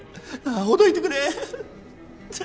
ほどいてくれ。